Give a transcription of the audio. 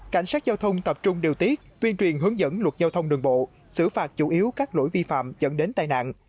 cảnh sát giao thông tập trung điều tiết tuyên truyền hướng dẫn luật giao thông đường bộ xử phạt chủ yếu các lỗi vi phạm dẫn đến tai nạn